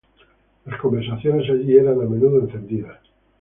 Las conversaciones allí eran a menudo encendidas.